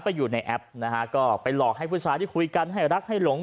อยู่ในแอปนะฮะก็ไปหลอกให้ผู้ชายที่คุยกันให้รักให้หลง